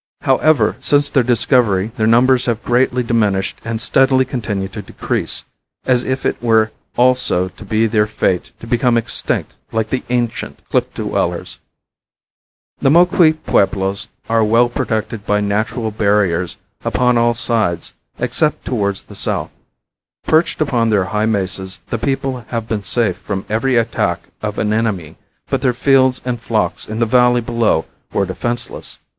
However, since their discovery their numbers have greatly diminished and steadily continue to decrease, as if it were also to be their fate to become extinct like the ancient cliff dwellers. The Moqui Pueblos are well protected by natural barriers upon all sides except towards the south. Perched upon their high mesas the people have been safe from every attack of an enemy, but their fields and flocks in the valley below were defenseless.